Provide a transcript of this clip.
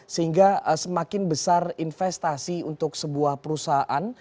sehingga semakin besar investasi untuk sebuah perusahaan